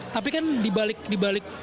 tapi kan di balik di balik